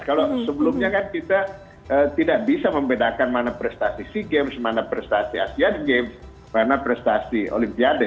kalau sebelumnya kan kita tidak bisa membedakan mana prestasi sea games mana prestasi asean games mana prestasi olimpiade